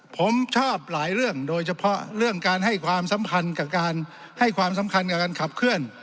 ผมชอบหลายเรื่องโดยเฉพาะเรื่องการให้ความสำคัญกับการขับเคลื่อน